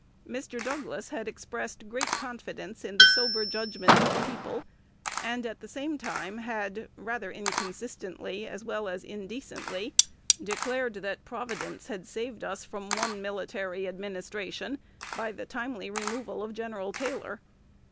Mr. Douglas had expressed great confidence in the sober judgment of the people, and at the same time had, rather inconsistently as well as indecently, declared that Providence had saved us from one military administration by the timely removal of Gen. Taylor.